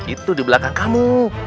itu di belakang kamu